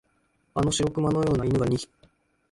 あの白熊のような犬が二匹、